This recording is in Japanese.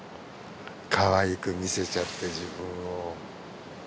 かわいく見せちゃって自分を。